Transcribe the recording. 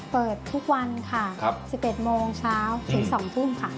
เปิดทุกวันค่ะ๑๑โมงเช้าถึง๒ทุ่มค่ะ